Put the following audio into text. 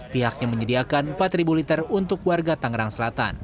pihaknya menyediakan empat liter untuk warga tangerang selatan